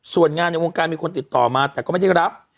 ส่วนงานในวงการมีคนติดต่อมาแต่ก็ไม่ได้รับ